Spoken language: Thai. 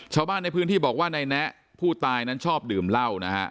ชาวบ้านในพื้นที่บอกว่าในแนะผู้ตายนั้นชอบดื่มเหล้านะฮะ